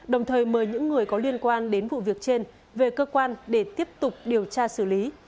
đồng thời mời những người có liên quan đến vụ việc trên về cơ quan để tiếp tục điều tra xử lý